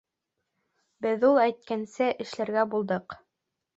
Беҙ ул әйткәнсә эшләргә булдыҡ.